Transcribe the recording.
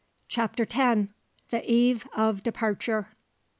CHAPTER TEN. THE EVE OF DEPARTURE.